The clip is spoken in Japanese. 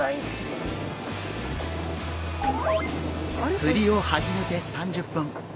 釣りを始めて３０分。